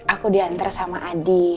aku dikira sama adi